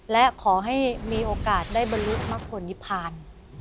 และขอให้มีโอกาสได้บริษัทมาขนิภาณ